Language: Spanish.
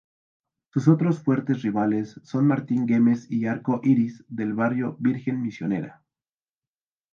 Sus otros fuertes rivales son Martín Güemes y Arco Iris del barrio Virgen Misionera.